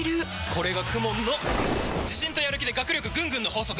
これがＫＵＭＯＮの自信とやる気で学力ぐんぐんの法則！